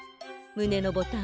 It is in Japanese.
むねのボタン？